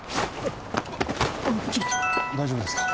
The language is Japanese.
大丈夫ですか？